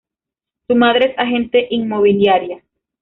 Su madre es agente inmobiliaria.